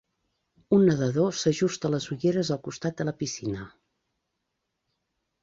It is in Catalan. Un nadador s'ajusta les ulleres al costat de la piscina